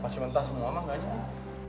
pas yang mentah semua mangga aja ya